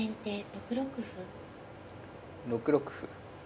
６六歩。